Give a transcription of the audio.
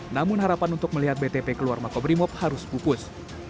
namun harapan untuk melihat btp keluar makobrimob harus pupus